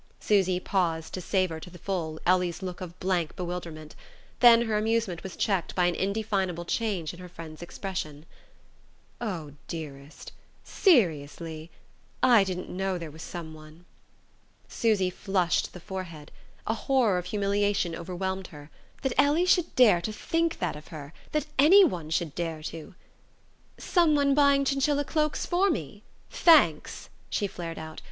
Susy paused to savour to the full Ellie's look of blank bewilderment; then her amusement was checked by an indefinable change in her friend's expression. "Oh, dearest seriously? I didn't know there was someone...." Susy flushed to the forehead. A horror of humiliation overwhelmed her. That Ellie should dare to think that of her that anyone should dare to! "Someone buying chinchilla cloaks for me? Thanks!" she flared out.